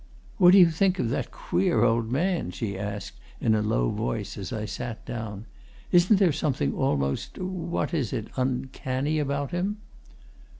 "What do you think of that queer old man?" she asked in a low voice as I sat down. "Isn't there something almost what is it? uncanny? about him?"